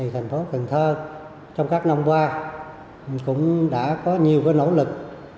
thành phố cần thơ trong các năm qua cũng đã có nhiều nỗ lực